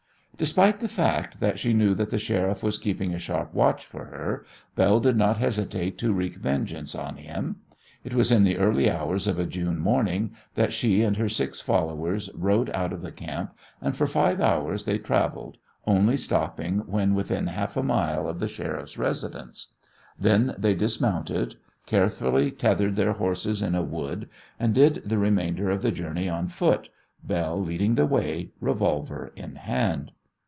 Despite the fact that she knew that the Sheriff was keeping a sharp watch for her, Belle did not hesitate to wreak vengeance on him. It was in the early hours of a June morning that she and her six followers rode out of the camp, and for five hours they travelled, only stopping when within half a mile of the Sheriff's residence. Then they dismounted, carefully tethered their horses in a wood, and did the remainder of the journey on foot, Belle leading the way, revolver in hand.